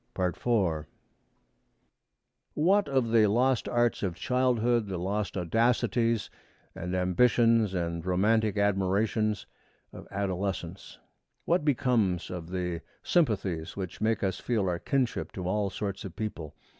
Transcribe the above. IV What of the lost arts of childhood, the lost audacities and ambitions and romantic admirations of adolescence? What becomes of the sympathies which make us feel our kinship to all sorts of people?